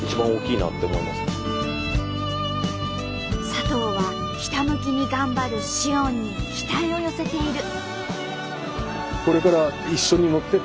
佐藤はひたむきに頑張る詩音に期待を寄せている。